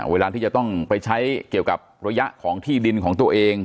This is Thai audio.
เวลาที่จะต้องไปใช้เกี่ยวกับระยะของที่ดินของตัวเอง